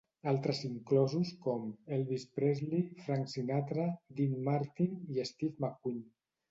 Altres inclosos com Elvis Presley, Frank Sinatra, Dean Martin i Steve McQueen.